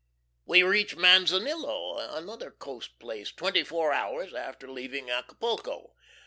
We reach Manzanillo, another coast place, twenty four hours after leaving Acapulco.